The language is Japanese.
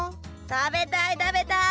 食べたい食べたい！